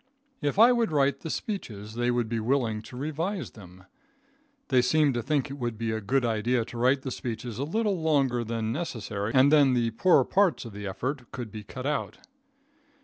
If I would write the speeches they would be willing to revise them. They seemed to think it would be a good idea to write the speeches a little longer than necessary and then the poorer parts of the effort could be cut out.